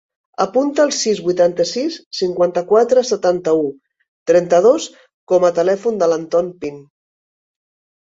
Apunta el sis, vuitanta-sis, cinquanta-quatre, setanta-u, trenta-dos com a telèfon de l'Anton Pin.